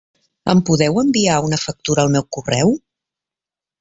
Em podeu enviar una factura al meu correu?